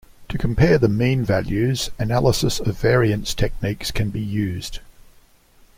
To compare the mean values, Analysis of Variance techniques can be used.